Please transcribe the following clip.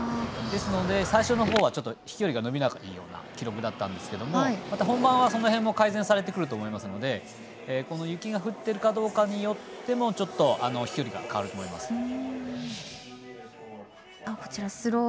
ですので、最初のほうはちょっと飛距離が伸びないような記録だったんですけど本番はその辺も改善されてくると思うのでこの雪が降ってるかどうかによっても飛距離が変わると思います。